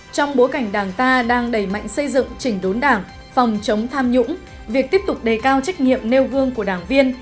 trong bối cảnh đảng ta đang đẩy mạnh xây dựng chỉnh đốn đảng phòng chống tham nhũng việc tiếp tục đề cao trách nhiệm nêu gương của đảng viên